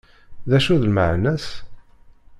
D acu d lmeεna-s?